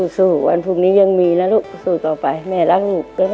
สู้วันพรุ่งนี้ยังมีนะลูกสู้ต่อไปแม่รักลูก